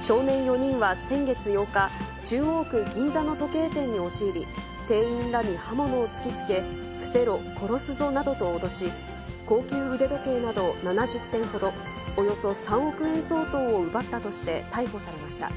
少年４人は先月８日、中央区銀座の時計店に押し入り、店員らに刃物を突きつけ、伏せろ、殺すぞなどと脅し、高級腕時計など７０点ほど、およそ３億円相当を奪ったとして逮捕されました。